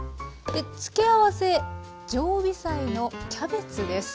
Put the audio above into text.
付け合わせ常備菜のキャベツです。